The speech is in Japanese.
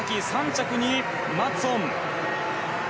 ３着にマッツォン。